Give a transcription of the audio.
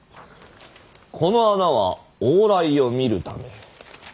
この穴は往来を見るため。